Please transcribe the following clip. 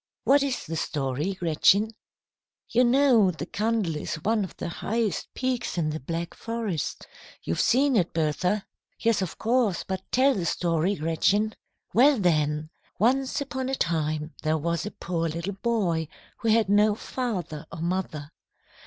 What is the story, Gretchen?" "You know the Kandel is one of the highest peaks in the Black Forest. You've seen it, Bertha." "Yes, of course, but tell the story, Gretchen." "Well, then, once upon a time there was a poor little boy who had no father or mother.